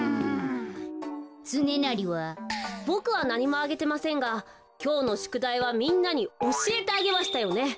ボクはなにもあげてませんがきょうのしゅくだいはみんなにおしえてあげましたよね。